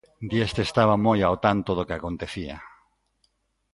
Dieste estaba moi ao tanto do que acontecía.